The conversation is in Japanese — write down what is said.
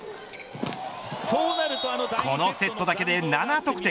このセットだけで７得点。